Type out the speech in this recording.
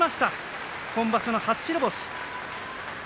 今場所、初白星。